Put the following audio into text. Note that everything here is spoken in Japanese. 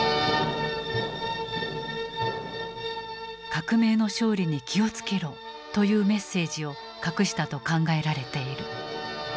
「革命の勝利に気をつけろ！」というメッセージを隠したと考えられている。